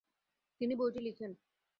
তিনি বইটি লিখেন।